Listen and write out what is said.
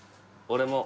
俺も。